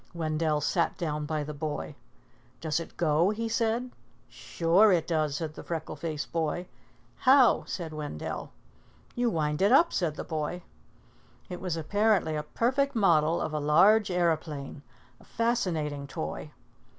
Wendell sat down by the boy. "Does it go?" he said. "Sure it does," said the freckle faced boy. "How?" said Wendell. "You wind it up," said the boy. It was apparently a perfect model of a large aeroplane, a fascinating toy.